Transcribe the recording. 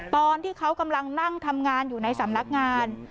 ตอนที่เขากำลังนั่งทำงานอยู่ในสำนักงาน